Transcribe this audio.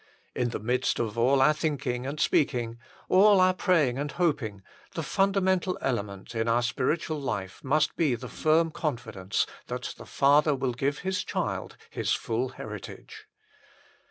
In the midst of all our thinking and speaking, all our praying and hoping, the fundamental element in our spiritual life must be the firm confidence that the Father will give His child His full heritage.